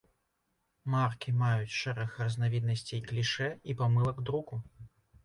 Маркі маюць шэраг разнавіднасцей клішэ і памылак друку.